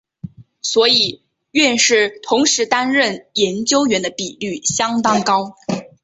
所以院士同时担任研究员的比率相当高。